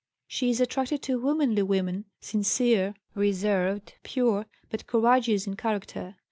She is attracted to womanly women, sincere, reserved, pure, but courageous in character.